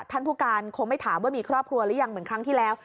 ท่านผู้การคงไม่ถามว่ามีครอบครัวหรือยังเหมือนครั้งที่แล้ว